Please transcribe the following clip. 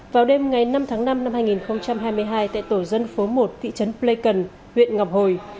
vào đêm ngày năm tháng năm năm hai nghìn hai mươi hai tại tổ dân phố một thị trấn pleikon huyện ngọc hồi